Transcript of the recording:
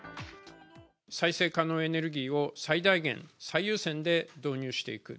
再生可能エネルギーを最大限、最優先で導入していく。